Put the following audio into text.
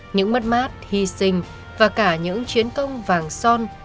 những mất mát hy sinh và cả những chiến công vàng son